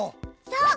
そう。